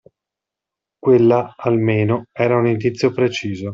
Quella almeno era un indizio preciso.